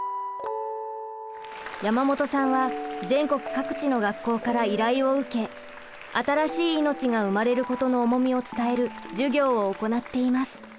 山本さんは全国各地の学校から依頼を受け新しい命が生まれることの重みを伝える授業を行っています。